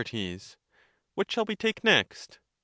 What shall we take next?